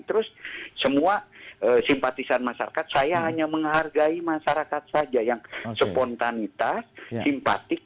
terus semua simpatisan masyarakat saya hanya menghargai masyarakat saja yang spontanitas simpatik